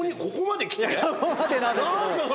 ここまでなんですけど。